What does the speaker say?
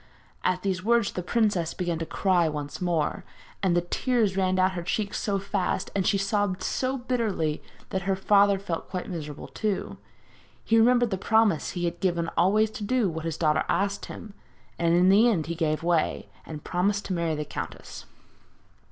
At these words the princess began to cry once more, and the tears ran down her cheeks so fast, and she sobbed so bitterly, that her father felt quite miserable too. He remembered the promise he had given always to do what his daughter asked him and in the end he gave way, and promised to marry the countess.